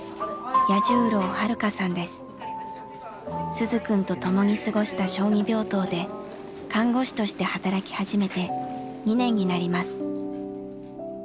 鈴くんと共に過ごした小児病棟で看護師として働き始めて２年になります。